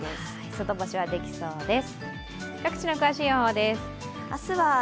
外干しはできそうです。